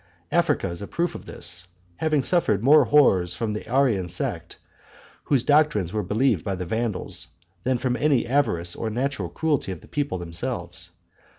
Africa is a proof of this; having suffered more horrors from the Arian sect, whose doctrines were believed by the Vandals, than from any avarice or natural cruelty of the people themselves.